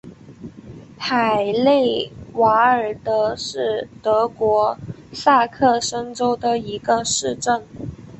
海内瓦尔德是德国萨克森州的一个市镇。